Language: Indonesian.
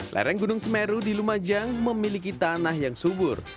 lereng gunung semeru di lumajang memiliki tanah yang subur